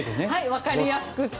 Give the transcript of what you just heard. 分かりやすくて。